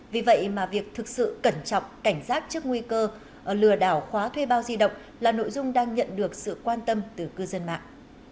vì vậy mà việc thực sự cẩn trọng cảnh giác trước nguy cơ lừa đảo khóa thuê bao di động là nội dung đang nhận được sự quan tâm từ cư dân mạng